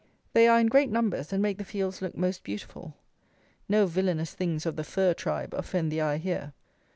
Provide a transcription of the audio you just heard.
They are in great numbers, and make the fields look most beautiful. No villanous things of the fir tribe offend the eye here.